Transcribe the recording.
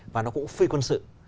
và nó cũng phi quân sự